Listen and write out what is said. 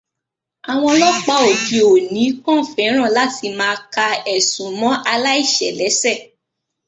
Àwọn ọlọ́pàá òde-òní kán fẹ́ràn láti máa ka ẹ̀ṣùn mọ́ aláìṣẹ̀ lẹ́sẹ̀.